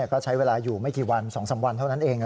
ก็ใช้เวลาอยู่ไม่กี่วัน๒๓วันเท่านั้นเอง